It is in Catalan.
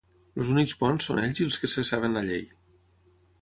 Els únics bons són ells i els que se saben la llei.